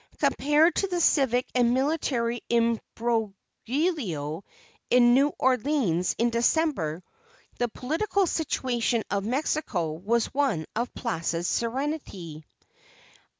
Compared to the civic and military imbroglio in New Orleans in December, the political situation of Mexico was one of placid serenity.